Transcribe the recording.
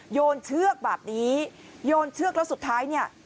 โยนเชือกแบบนี้โยนเชือกแล้วสุดท้ายเนี่ย